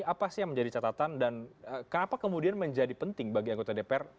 apa sih yang menjadi catatan dan kenapa kemudian menjadi penting bagi anggota dpr